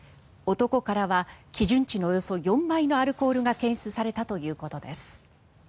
男からは基準値のおよそ４倍のアルコールが検出されたということです。